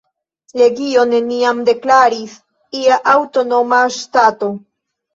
Legio neniam deklaris ia aŭtonoma ŝtato.